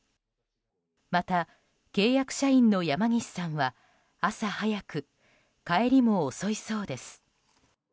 また契約社員の山岸さんは朝早く、帰りも遅いそうです。